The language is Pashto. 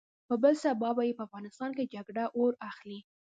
په بل سبا يې په افغانستان کې جګړه اور اخلي.